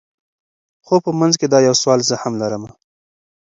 خو په منځ کي دا یو سوال زه هم لرمه